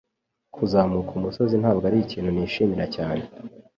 Kuzamuka umusozi ntabwo arikintu nishimira cyane.